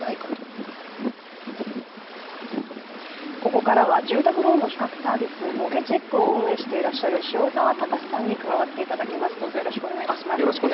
ここからは住宅ローンの比較サービスモゲチェックを運営している塩澤崇さんに加わっていただきます。